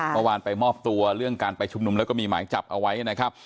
เมื่อวานไปมอบตัวเรื่องการไปชุมนุมแล้วก็มีหมายจับเอาไว้นะครับ